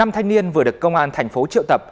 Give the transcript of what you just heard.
năm thanh niên vừa được công an thành phố triệu tập